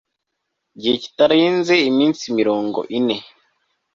gihe kitarenze iminsi mirongo ine